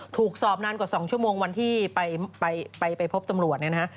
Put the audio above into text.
ถูกสอบนานกว่า๒ชั่วโมงวันที่ไปพบตำรวจเนี่ยนะฮะ